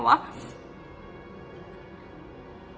เพราะในตอนนั้นดิวต้องอธิบายให้ทุกคนเข้าใจหัวอกดิวด้วยนะว่า